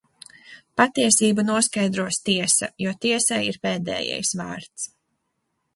Patiesību noskaidros tiesa, jo tiesai ir pēdējais vārds.